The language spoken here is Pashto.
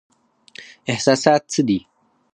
احساسات څه دي؟